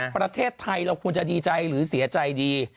ประเทศไทยเราควรจะดีใจหรือเสียใจดี